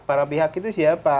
para pihak itu siapa